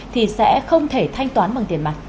thì sẽ không thể thanh toán bằng tiền mạng